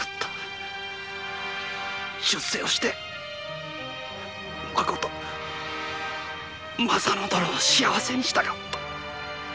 出世をしてまことまさ乃殿を幸せにしたかった。